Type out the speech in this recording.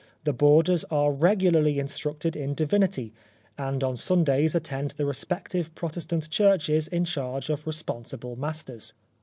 The boarders are regularly instructed in Divinity, and on Sundays attend the respective Protestant churches in charge of responsible masters."